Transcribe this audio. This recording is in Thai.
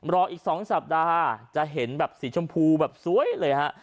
รออีก๒สัปดาห์จะเห็นแบบสีชมพูแบบสวยเลยฮะ